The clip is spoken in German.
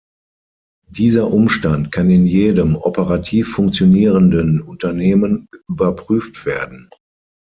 Dieser Umstand kann in jedem operativ funktionierenden Unternehmen überprüft werden.